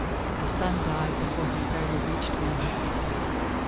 The son died before he had fairly reached manhood's estate.